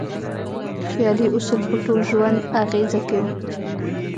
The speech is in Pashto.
خیالي اصول په ټول ژوند اغېزه کوي.